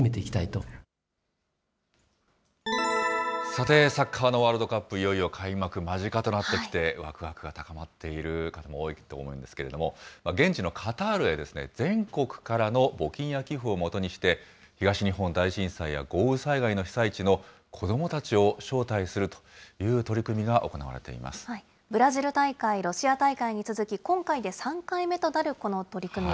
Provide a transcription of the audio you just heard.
さて、サッカーのワールドカップ、いよいよ開幕間近となってきて、わくわくが高まっている方も多いと思うんですけれども、現地のカタールへ、全国からの募金や寄付を基にして、東日本大震災や豪雨災害の被災地の子どもたちを招待するという取ブラジル大会、ロシア大会に続き、今回で３回目となるこの取り組み。